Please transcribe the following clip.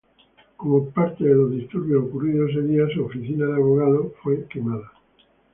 Como parte de los disturbios ocurridos ese día, su oficina de abogado fue quemada.